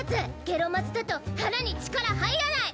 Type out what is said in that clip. ゲロまずだと腹に力入らない！